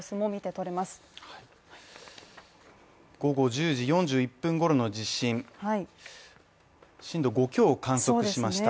午後１０時４１分ごろの地震、震度５強を観測しました。